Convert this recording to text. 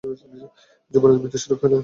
যুবরাজ ভীতস্বরে কহিলেন, কী আদেশ!